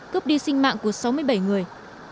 cướp đi sinh mạng của sáu mươi bảy người